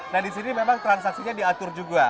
nah di sini memang transaksinya diatur juga